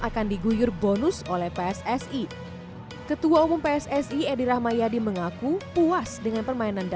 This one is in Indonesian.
akan diguyur bonus oleh pssi ketua umum pssi edi rahmayadi mengaku puas dengan permainan di